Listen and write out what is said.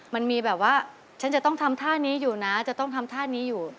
มันมีแบบว่าฉันจะต้องทำท่านี้อยู่นะจะต้องทำท่านี้อยู่